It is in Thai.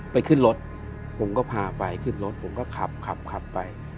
ขึ้นรถผมก็พาไปขึ้นรถผมก็ขับขับไป